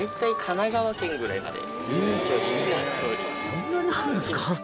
そんなにあるんですか？